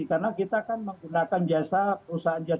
karena kita kan menggunakan jasa perusahaan jasa